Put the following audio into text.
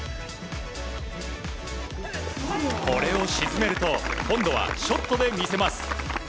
これを沈めると今度はショットで魅せます。